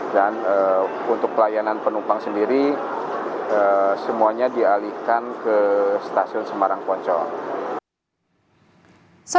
dan untuk pelayanan penumpang sendiri semuanya dialihkan ke stasiun semarang poncol